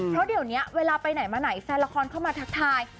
เพราะเดี๋ยวนี้เวลาไปไหนมาไหนแฟนละครเข้ามาทักทาย